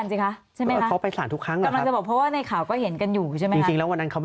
อันนี้เดี๋ยวก็ไปสารพี่โวรยุทธ์แล้วกันไหมครับ